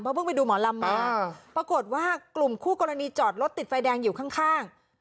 เพิ่งไปดูหมอลำมาปรากฏว่ากลุ่มคู่กรณีจอดรถติดไฟแดงอยู่ข้าง